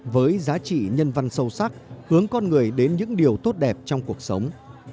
với giá trị nhân văn sâu sắc hướng con người đến những điều tốt đẹp trong cuộc sống